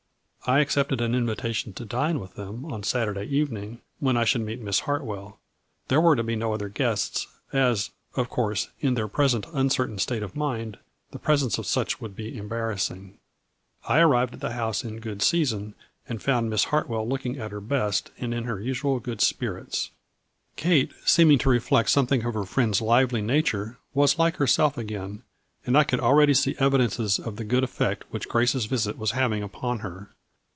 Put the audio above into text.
I accepted an invitation to dine with them on Saturday evening when I should meet Miss Hartwell. There were to be no other guests, as, of course, in their present un certain state of mind, the presence of such would be embarrassing. I arrived at the house in good season and found Miss Hartwell looking at her best and in her usual good spirits. Kate, seeming to reflect something of her friend's lively nature, was like herself again, and I could already see evidences of the good effect which Grace's visit was having upon her.